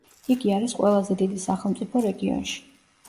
იგი არის ყველაზე დიდი სახელმწიფო რეგიონში.